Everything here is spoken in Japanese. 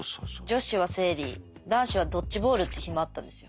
女子は生理男子はドッジボールって日もあったんですよ。